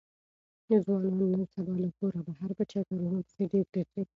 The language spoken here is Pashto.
ځوانان نن سبا له کوره بهر په چکرونو پسې ډېر ګرځي.